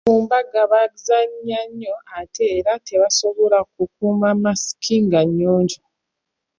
Kubanga bazannya nnyo ate era tebasobola kukuuma masiki nga nnyonjo.